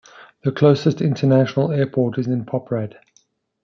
The closest international airport is in Poprad.